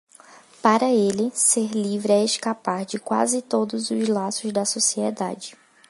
Para ele, ser livre é escapar de quase todos os laços da sociedade.